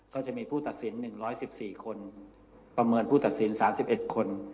ก็จะมีผู้ตัดสิน๑๑๔คนประเมินผู้ตัดสิน๓๑คน